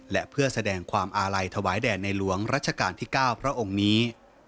และเพื่อแสดงความอาลัยถวายแด่ในหลวงรัชกาลที่๙พระองค์นี้